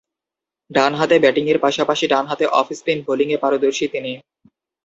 ডানহাতে ব্যাটিংয়ের পাশাপাশি ডানহাতে অফ স্পিন বোলিংয়ে পারদর্শী তিনি।